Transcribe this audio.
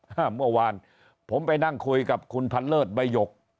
เมื่อวานผมไปนั่งคุยกับคุณพันเลิศใบหยก